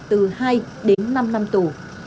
từ hai đến năm năm tù